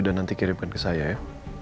dan nanti kirimkan ke saya ya